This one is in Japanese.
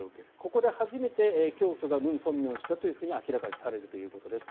ここで初めて教祖がムン・ソンミョン氏だということが明らかにされるということです。